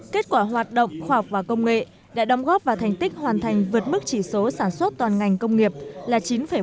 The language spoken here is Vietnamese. kết quả hoạt động khoa học và công nghệ đã đóng góp vào thành tích hoàn thành vượt mức chỉ số sản xuất toàn ngành công nghiệp là chín bảy